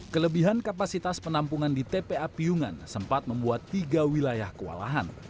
kelebihan kapasitas penampungan di tpa piyungan sempat membuat tiga wilayah kewalahan